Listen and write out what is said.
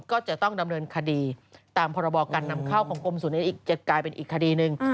ก็จะต้องดำเนินคดีตามพรบการนำเข้าของกรมศูนย์นี้อีกจะกลายเป็นอีกคดีหนึ่ง